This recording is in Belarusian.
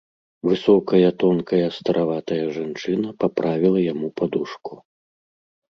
Высокая, тонкая стараватая жанчына паправіла яму падушку.